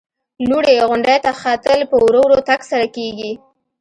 لوړې غونډۍ ته ختل په ورو ورو تګ سره کېږي.